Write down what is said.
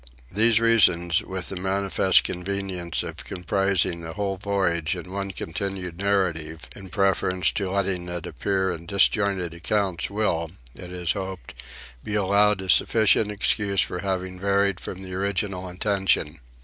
These reasons, with the manifest convenience of comprising the whole Voyage in one continued narrative, in preference to letting it appear in disjointed accounts will, it is hoped, be allowed a sufficient excuse for having varied from the original intention.